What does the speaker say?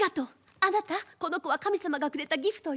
あなたこの子は神様がくれたギフトよ。